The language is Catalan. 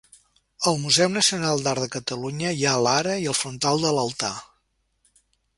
Al Museu Nacional d'Art de Catalunya hi ha l'ara i el frontal de l'altar.